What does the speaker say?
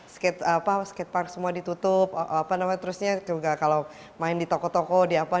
skatepark semua ditutup terusnya juga kalau main di toko toko di apa apa